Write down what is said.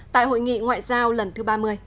tại hội nghị ngoại giao lần thứ ba mươi